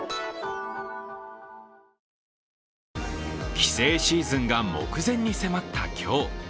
帰省シーズンが目前に迫った今日。